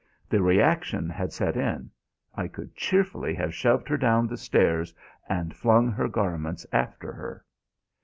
The reaction had set in. I could cheerfully have shoved her down the stairs and flung her garments after her.